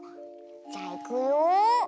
じゃいくよ！